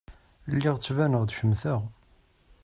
Lliɣ ttbaneɣ-d cemteɣ.